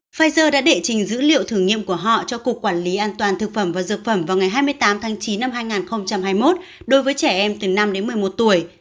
pfizer đã đệ trình dữ liệu thử nghiệm của họ cho cục quản lý an toàn thực phẩm và dược phẩm vào ngày hai mươi tám tháng chín năm hai nghìn hai mươi một đối với trẻ em từ năm đến một mươi một tuổi